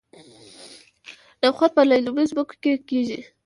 نخود په للمي ځمکو کې کیږي.